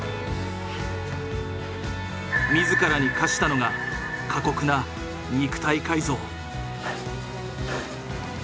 自らに課したのが過酷な肉体改造。